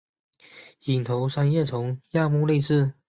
隐头三叶虫亚目类似。